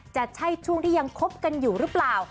จะใช่ช่วงที่ยังคบกันอยู่หรือเปล่า